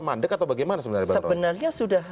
mandek atau bagaimana sebenarnya sudah